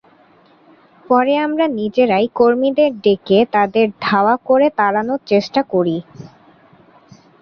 পরে আমরা নিজেরাই কর্মীদের ডেকে তাদের ধাওয়া করে তাড়ানোর চেষ্টা করি।